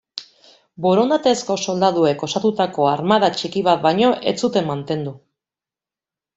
Borondatezko soldaduek osatutako armada txiki bat baino ez zuten mantendu.